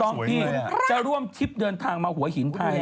พี่จะร่วมทริปเดินทางมาหัวหินไทย